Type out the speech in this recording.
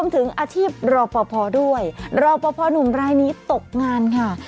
ถึงอาชีพรอปภด้วยรอปภหนุ่มรายนี้ตกงานค่ะ